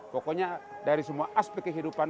pokoknya dari semua aspek kehidupan